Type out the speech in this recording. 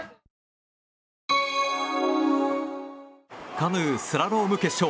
カヌー・スラローム決勝。